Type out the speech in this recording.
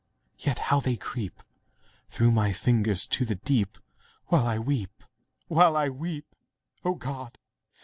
yet how they creep Through my fingers to the deep, While I weep—while I weep! O God!